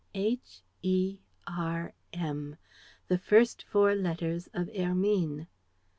H, E, R, M; the first four letters of Hermine!